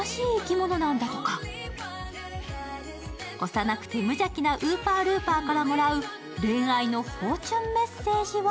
幼くて無邪気なウーパールーパーからもらう恋愛のフォーチュンメッセージとは？